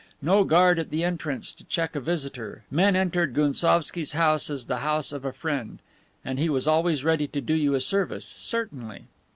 No guard at the entrance to check a visitor men entered Gounsovski's house as the house of a friend, and he was always ready to do you a service, certainly!